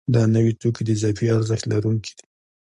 دا نوي توکي د اضافي ارزښت لرونکي دي